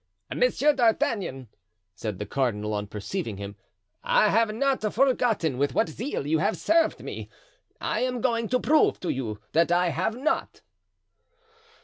"Monsieur d'Artagnan," said the cardinal, on perceiving him, "I have not forgotten with what zeal you have served me. I am going to prove to you that I have not."